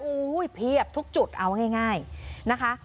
อู้เฮ้ยเพียบทุกจุดเอาง่ายนะคะ